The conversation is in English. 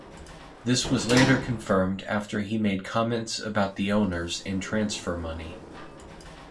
This was later confirmed after he made comments about the owners and transfer money.